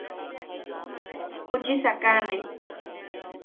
Juchi sakane.